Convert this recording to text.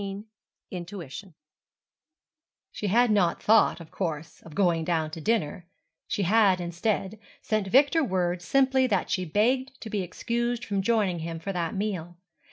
XV INTUITION She had not thought, of course, of going down to dinner; she had, instead, sent Victor word simply that she begged to be excused from joining him for that meal.